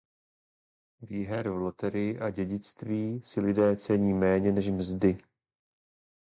Výher v loterii a dědictví si lidé cení méně než mzdy.